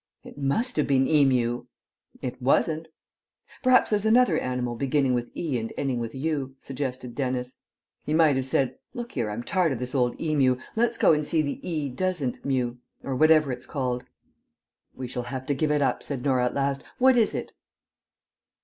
"It must have been Emu." "It wasn't." "Perhaps there's another animal beginning with 'e' and ending with 'u,'" suggested Dennis. "He might have said,'Look here, I'm tired of this old Emu, let's go and see the E doesn't mu,' or whatever it's called." "We shall have to give it up," said Norah at last. "What is it?"